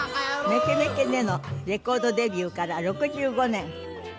『メケ・メケ』でのレコードデビューから６５年。